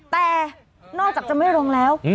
แต่นอกจากจะไม่ลงแล้ว